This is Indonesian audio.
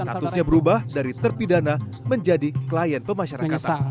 statusnya berubah dari terpidana menjadi klien pemasyarakatan